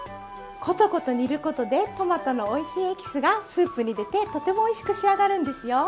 コトコト煮ることでトマトのおいしいエキスがスープに出てとてもおいしく仕上がるんですよ。